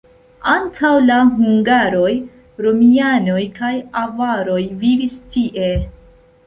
Antaŭ la hungaroj, romianoj kaj avaroj vivis tie.